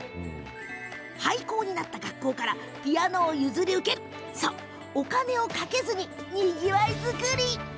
廃校になった学校からピアノを譲り受けるそう、お金をかけずににぎわい作り。